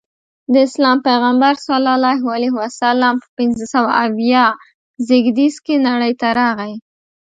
د اسلام پیغمبر ص په پنځه سوه اویا زیږدیز کې نړۍ ته راغی.